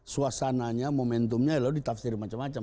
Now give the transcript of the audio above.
suasananya momentumnya lalu ditafsir macam macam